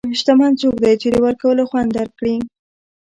شتمن څوک دی چې د ورکولو خوند درک کړي.